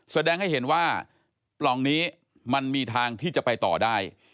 แสดงให้เห็นว่าปล่องนี้มันมีทางที่จะไปต่อได้